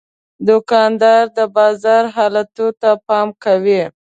دوکاندار د بازار حالاتو ته پام کوي.